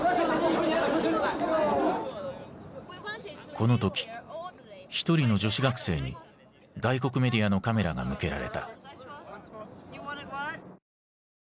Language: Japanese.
この時一人の女子学生に外国メディアのカメラが向けられた。